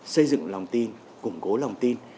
xây dựng lòng tin củng cố lòng tin